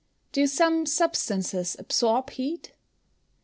_Do some substances absorb heat?